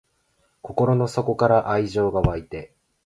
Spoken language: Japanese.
心の奥から愛情が湧いて